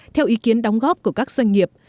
theo ý kiến đóng góp của các doanh nghiệp